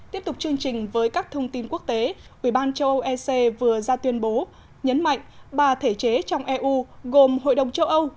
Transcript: tiếp tục chương trình với các thông tin quốc tế ubnd châu âu ec vừa ra tuyên bố nhấn mạnh ba thể chế trong eu gồm hội đồng châu âu